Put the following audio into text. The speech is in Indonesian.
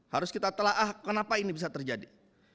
harus kita telah ah kenapa ini bisa terjadi